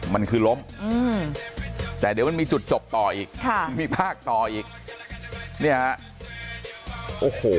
มันคือล้มแต่เดี๋ยวมันมีจุดจบต่ออีกค่ะมีภาคต่ออีกเนี่ยฮะโอ้โห